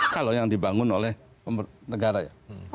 kalau yang dibangun oleh negara ya